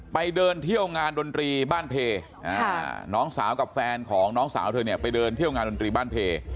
ไปเดินเที่ยวงานดนตรีบ้านเพน้องสาวกับแฟนของน้องสาวเธอเนี่ยไปเดินเที่ยวงานดนตรีบ้านเพ